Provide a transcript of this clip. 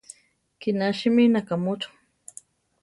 Kiná simí, nakámocho!